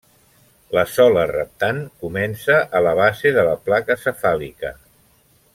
La sola reptant comença a la base de la placa cefàlica.